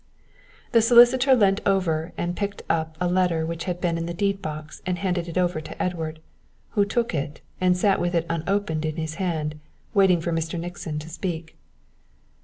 The solicitor leant over and picked up a letter which had been in the deed box and handed it over to Edward, who took it and sat with it unopened in his hand waiting for Mr. Nixon to speak.